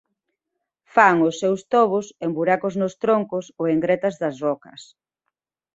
Fan os seus tobos en buracos nos troncos ou en gretas das rocas.